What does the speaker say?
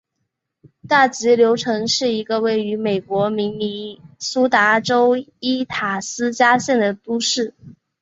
大急流城是一个位于美国明尼苏达州伊塔斯加县的都市。